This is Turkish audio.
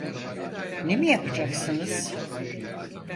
Ne mi yapacaksınız?